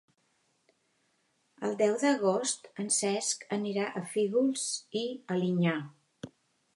El deu d'agost en Cesc anirà a Fígols i Alinyà.